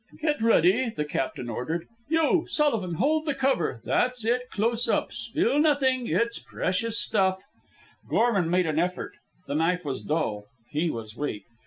"Get ready," the captain ordered. "You, Sullivan, hold the cover that's it close up. Spill nothing. It's precious stuff." Gorman made an effort. The knife was dull. He was weak.